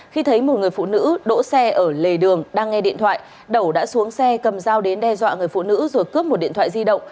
khi thấy một người phụ nữ đỗ xe ở lề đường đang nghe điện thoại đầu đã xuống xe cầm dao đến đe dọa người phụ nữ rồi cướp một điện thoại di động